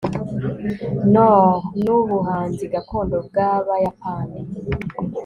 noh nubuhanzi gakondo bwabayapani